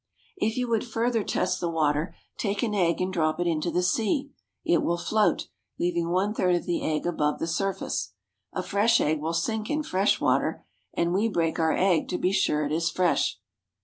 If you would further test the water, take an egg and drop it into the sea. It will float, leaving one third of the egg above the surface. A fresh egg will sink in fresh water, and we break our egg to be sure it is fresh.